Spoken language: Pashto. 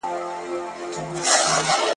لږ به خورم هوسا به اوسم.